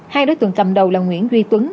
hai đối tượng cầm đầu là nguyễn duy tuấn